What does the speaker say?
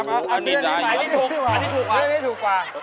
อันนี้ถูกอันนี้ถูกกว่า